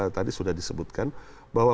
tadi sudah disebutkan bahwa